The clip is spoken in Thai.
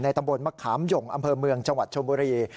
ตำบลมะขามหย่งอำเภอเมืองจังหวัดชมบุรี